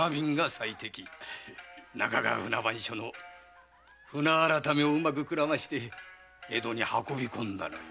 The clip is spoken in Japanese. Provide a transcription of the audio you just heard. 中川船番所の船改めをうまくくらまし江戸に運び込んだのよ。